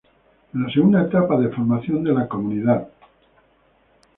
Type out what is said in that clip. En la segunda etapa de formación de la comunidad.